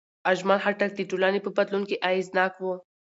اجمل خټک د ټولنې په بدلون کې اغېزناک و.